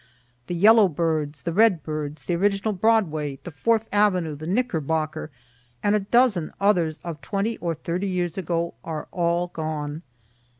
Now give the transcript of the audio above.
The Yellow birds, the Red birds, the original Broadway, the Fourth avenue, the Knickerbocker, and a dozen others of twenty or thirty years ago, are all gone.